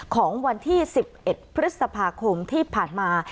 ของวันที่๑๑พฤษภาคมที่ผ่านมา